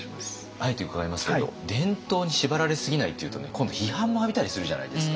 あえて伺いますけれど伝統に縛られすぎないっていうとね今度批判も浴びたりするじゃないですか。